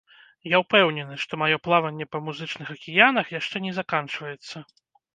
Я ўпэўнены, што маё плаванне па музычных акіянах яшчэ не заканчваецца.